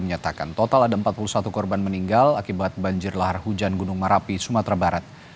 menyatakan total ada empat puluh satu korban meninggal akibat banjir lahar hujan gunung merapi sumatera barat